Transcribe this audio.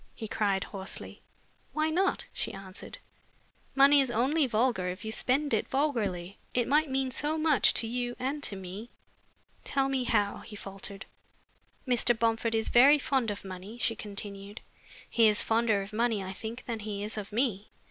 he cried, hoarsely. "Why not?" she answered. "Money is only vulgar if you spend it vulgarly. It might mean so much to you and to me." "Tell me how?" he faltered. "Mr. Bomford is very fond of money," she continued. "He is fonder of money, I think, than he is of me.